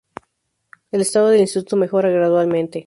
El estado del instituto mejora gradualmente.